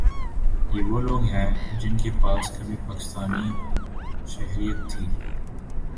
یہ وہ لوگ ہیں جن کے پاس کبھی پاکستانی شہریت تھی